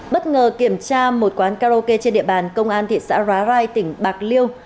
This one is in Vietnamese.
bất ngờ kiểm tra một quán karaoke trên địa bàn công an thị xã rarai tỉnh bạc liêu